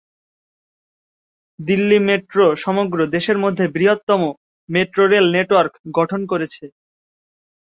Delhi metro সমগ্র দেশের মধ্যে বৃহত্তম মেট্রো রেল নেটওয়ার্ক গঠন করেছে।